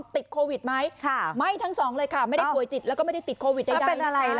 ติดโควิดไหมไหม้ทั้งสองเลยค่ะไม่ได้ป่วยจิตแล้วก็ไม่ได้ติดโควิดใด